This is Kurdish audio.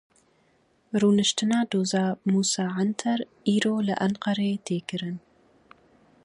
Rûniştina doza Mûsa Anter îro li Enqereê tê kirin.